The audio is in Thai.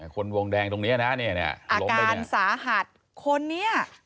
คนวงแดงตรงนี้นะอาการสาหัสคนนี้